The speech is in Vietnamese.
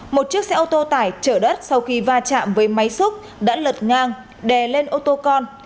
một chiếc xe ô tô tải chở đất sau khi va chạm với máy xúc đã lật ngang đè lên ô tô con